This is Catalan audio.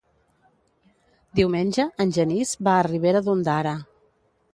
Diumenge en Genís va a Ribera d'Ondara.